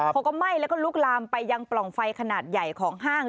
พอก็ไหม้แล้วก็ลุกลามไปยังปล่องไฟขนาดใหญ่ของห้าง